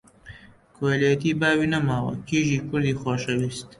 کۆیلەتی باوی نەماوە، کیژی کوردی خۆشەویست!